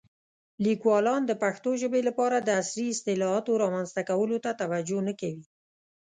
لیکوالان د پښتو ژبې لپاره د عصري اصطلاحاتو رامنځته کولو ته توجه نه کوي.